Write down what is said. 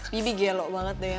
bibi gelok banget deh ya